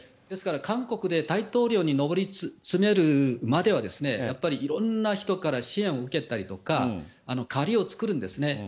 ですから韓国で大統領に上り詰めるまでは、やっぱりいろんな人から支援を受けたりとか、借りを作るんですね。